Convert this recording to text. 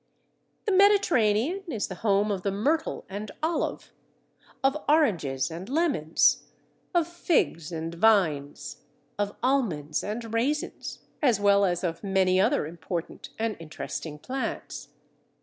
The Mediterranean is the home of the Myrtle and Olive, of Oranges and Lemons, of Figs and Vines, of Almonds and Raisins, as well as of many other important and interesting plants.